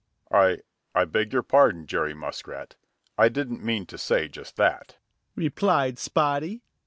"I I beg your pardon, Jerry Muskrat. I didn't mean to say just that," replied Spotty.